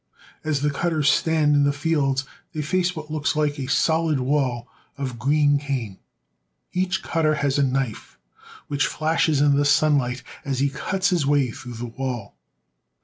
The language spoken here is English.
As the cutters stand in the fields they face what looks like a solid w9.ll of green cane. Each cutter has a knife, which flashes in the sun light as he cuts his way through the wall.